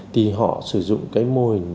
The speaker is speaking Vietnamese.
thì họ sử dụng cái mô hình